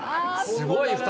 すごい２人。